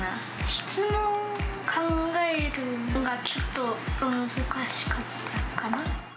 質問考えるのがちょっと難しかったかな。